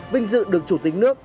vinh dự được chủ tính nước